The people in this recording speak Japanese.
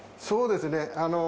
そうですね